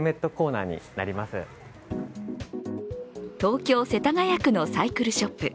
東京・世田谷区のサイクルショップ。